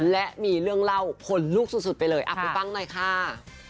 และมีเรื่องเล่าผลลุกสุดสุดไปเลยอาบนวงปังหน่อยค่ะ